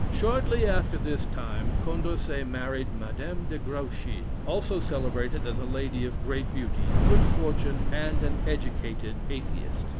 Shortly after this, time, Condorcet married Madame de Grouchy also celebrated as a lady of great beauty, good fortune, and an educated Atheist.